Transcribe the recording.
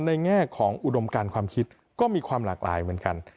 แง่ของอุดมการความคิดก็มีความหลากหลายเหมือนกัน